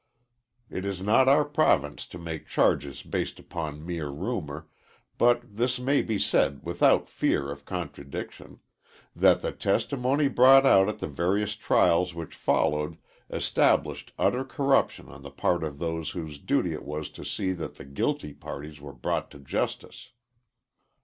It is not our province to make charges based upon mere rumor, but this may be said without fear of contradiction that the testimony brought out at the various trials which followed established utter corruption on the part of those whose duty it was to see to it that the guilty parties were brought to justice.